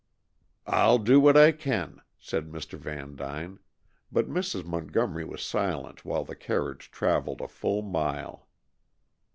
"I'll do what I can," said Mr. Vandyne, but Mrs. Montgomery was silent while the carriage traveled a full mile.